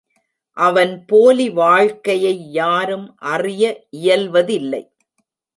அவன் போலி வாழ்க்கையை யாரும் அறிய இயல்வதில்லை.